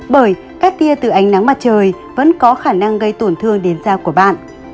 bởi cách tia từ ánh nắng mặt trời vẫn có khả năng gây tổn thương đến da của bạn